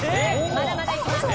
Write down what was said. まだまだいきます